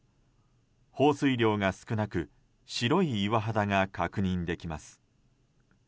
放水量が少なく白い岩肌が確認できます。